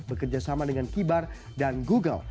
bekerjasama dengan kibar dan google